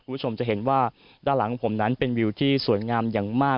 คุณผู้ชมจะเห็นว่าด้านหลังของผมนั้นเป็นวิวที่สวยงามอย่างมาก